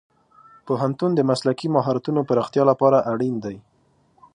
پوهنتون د مسلکي مهارتونو پراختیا لپاره اړین دی.